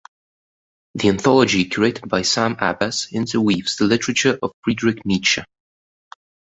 The anthology curated by Sam Abbas interweaves the literature of Friedrich Nietzsche.